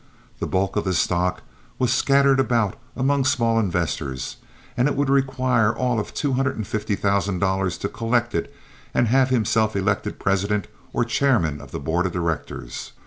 The bulk of the stock was scattered about among small investors, and it would require all of two hundred and fifty thousand dollars to collect it and have himself elected president or chairman of the board of directors.